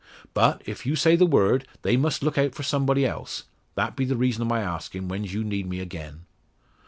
But, if you say the word, they must look out for somebody else. That be the reason o' my askin' when's you'd need me again."